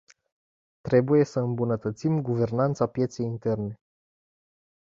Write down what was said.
Trebuie să îmbunătățim guvernanța pieței interne.